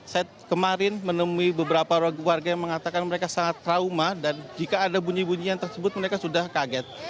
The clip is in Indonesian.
saya kemarin menemui beberapa warga yang mengatakan mereka sangat trauma dan jika ada bunyi bunyi yang tersebut mereka sudah kaget